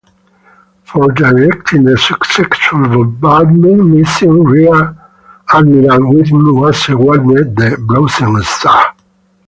For directing the successful bombardment mission, Rear Admiral Whiting was awarded the Bronze Star.